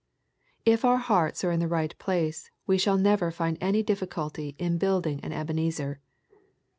If our hearts are in the right place, we shall never find any difficulty in huilding an Ebenezer.